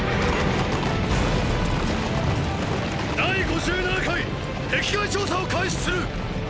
第５７回壁外調査を開始する！